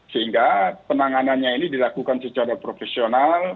sehingga penanganannya ini dilakukan secara profesional